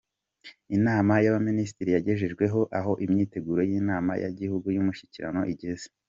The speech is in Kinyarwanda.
Inama y’Abaminisitiri yagejejweho aho imyiteguro y’Inama ya y’Igihugu y’Umushyikirano igeze.